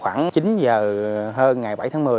khoảng chín giờ hơn ngày bảy tháng một mươi